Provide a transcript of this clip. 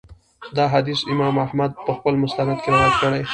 دا حديث امام احمد په خپل مسند کي روايت کړی